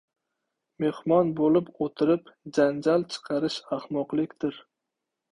– mehmon bo‘lib o‘tirib, janjal chiqarish ahmoqlikdir;